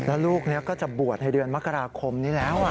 แล้วลูกนี้ก็จะบวชในเดือนมกราคมนี้แล้ว